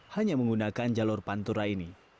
hanya menggunakan jalur pantura ini